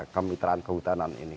kemitraan kehutanan ini